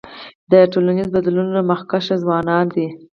د ټولنیزو بدلونونو مخکښان ځوانان دي.